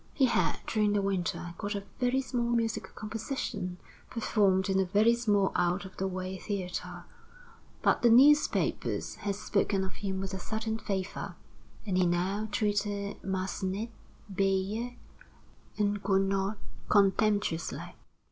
He had, during the winter, got a very small musical composition performed in a very small out of the way theater; but the newspapers had spoken of him with a certain favor, and he now treated Massenet, Beyer, and Gounod contemptuously.